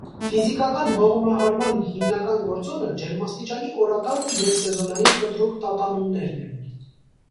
Ֆիզիկական հողմահարման հիմնական գործոնը ջերմաստիճանի օրական և սեզոնային կտրուկ տատանումներն են։